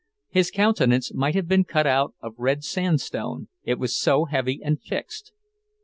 His countenance might have been cut out of red sandstone, it was so heavy and fixed.